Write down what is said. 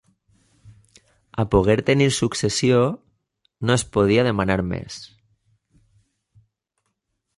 A poguer tenir successió, no es podia demanar més.